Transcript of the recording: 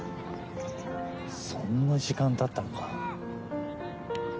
そんな時間経ったのか。